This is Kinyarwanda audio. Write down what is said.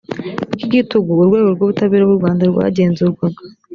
bw igitugu urwego rw ubutabera rw u rwanda rwagenzurwaga